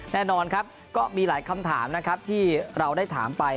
แน่นอนครับก็มีหลายคำถามนะครับที่เราได้ถามไป